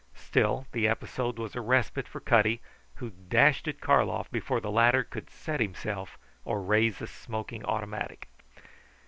Still, the episode was a respite for Cutty, who dashed at Karlov before the latter could set himself or raise the smoking automatic.